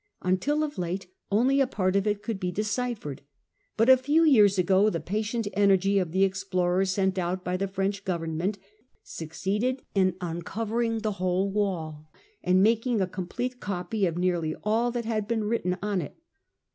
Until of late only a part of It could be deciphered, but a few years ago the patient energy of the explorers sent out by the French Government succeeded in uncovering the whole wall and making a complete copy of nearly all that had been writ ten on it.